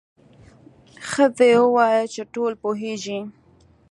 ښځې وویل چې ټول پوهیږي.